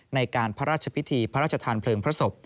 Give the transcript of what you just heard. ในการพระราชพิธีพระราชทานเพลิงพระศพ